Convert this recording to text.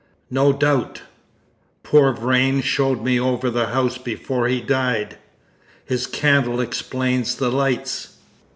"No doubt. Poor Vrain showed me over the house before he died. His candle explains the lights."